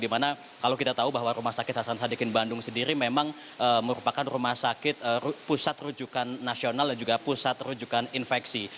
dimana kalau kita tahu bahwa rumah sakit hasan sadikin bandung sendiri memang merupakan rumah sakit pusat rujukan nasional dan juga pusat rujukan infeksi